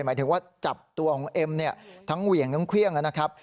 หมายถึงว่าจับตัวของเอ็มเนี่ยทั้งเหวี่ยงทั้งเครื่องนะครับ